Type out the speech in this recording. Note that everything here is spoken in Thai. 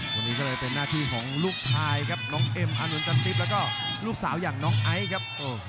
วันนี้ก็เลยเป็นหน้าที่ของลูกชายครับน้องเอ็มอานนท์จันทิพย์แล้วก็ลูกสาวอย่างน้องไอซ์ครับ